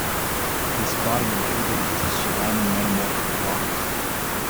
This body intruded into surrounding metamorphic rocks.